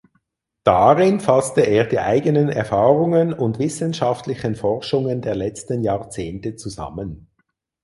Darin fasste er die eigenen Erfahrungen und wissenschaftlichen Forschungen der letzten Jahrzehnte zusammen.